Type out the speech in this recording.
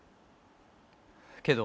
けど。